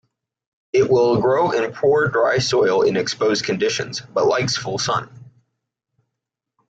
It will grow in poor dry soil in exposed conditions, but likes full sun.